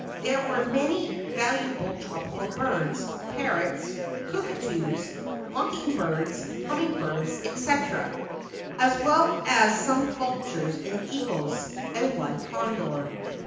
There were many valuable tropical birds, parrots, cockatoos, mocking birds, humming birds, etc., as well as some vultures and eagles and one condor.